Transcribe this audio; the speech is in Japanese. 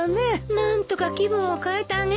何とか気分を変えてあげたいけど。